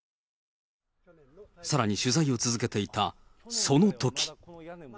さらに取材を続けていたそのとき。